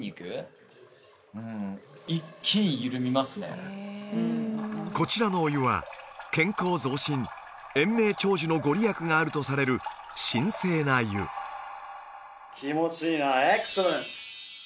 いやこちらのお湯は健康増進延命長寿の御利益があるとされる神聖な湯気持ちいいなあエクセレント！